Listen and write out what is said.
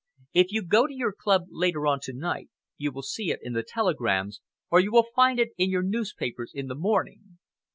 If you go to your club later on to night, you will see it in the telegrams, or you will find it in your newspapers in the morning.